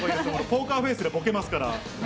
ポーカーフェースでボケますから。